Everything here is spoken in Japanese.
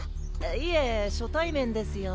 いえ初対面ですよ